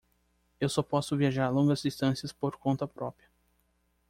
Eu só posso viajar longas distâncias por conta própria